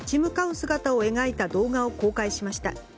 姿を描いた動画を公開しました。